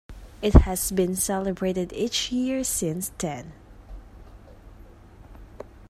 It has been celebrated each year since then.